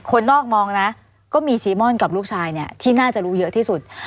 คนนอกมองนะก็มีซีม่อนกับลูกชายเนี่ยที่น่าจะรู้เยอะที่สุด